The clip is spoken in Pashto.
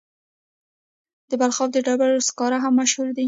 د بلخاب د ډبرو سکاره هم مشهور دي.